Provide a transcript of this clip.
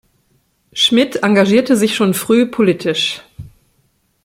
Schmidt engagierte sich schon früh politisch.